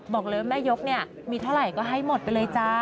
บอกเลยว่าแม่ยกเนี่ยมีเท่าไหร่ก็ให้หมดไปเลยจ้า